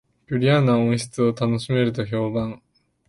クリアな音質を楽しめると評判